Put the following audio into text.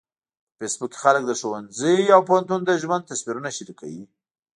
په فېسبوک کې خلک د ښوونځي او پوهنتون د ژوند تصویرونه شریکوي